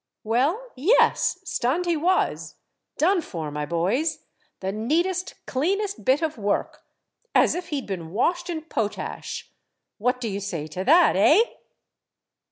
Well, yes ! stunned he was, done for, my boys. The neatest, cleanest bit of work !— as if he 'd been washed in potash. What do you say to that, eh?